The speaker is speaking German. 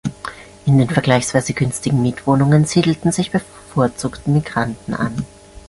In den vergleichsweise günstigen Mietwohnungen siedelten sich bevorzugt Migranten an.